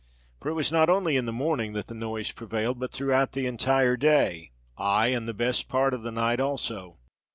For it was not only in the morning that the noise prevailed, but throughout the entire day—aye, and the best part of the night also.